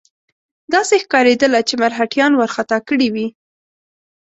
داسې ښکارېدله چې مرهټیان وارخطا کړي وي.